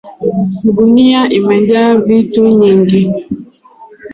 Gunia imejaa vitu nyingi.